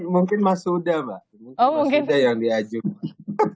mungkin mas huda yang diajukan